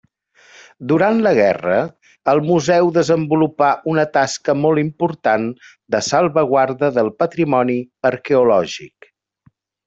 Durant la guerra, el museu desenvolupà una tasca molt important de salvaguarda del patrimoni arqueològic.